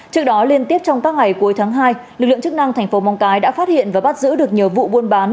trước đó liên tiếp trong các ngày cuối tháng hai lực lượng chức năng tp mongkai đã phát hiện và bắt giữ được nhiều vụ buôn bán